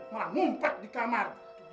malah ngumpet di kamar